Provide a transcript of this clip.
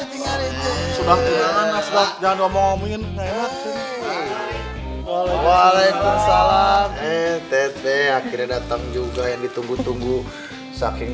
ya enggak mau ngomongin walaikumsalam eh teteh akhirnya datang juga yang ditunggu tunggu saking